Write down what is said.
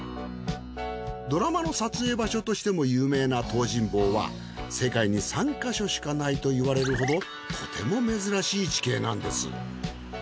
ドラマの撮影場所としても有名な東尋坊は世界に３か所しかないといわれるほどとても珍しい地形なんです。